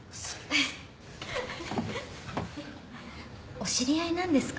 お知り合いなんですか？